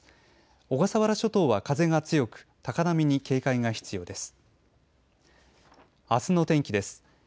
小笠原諸島は風が強く高波に警戒が必要です。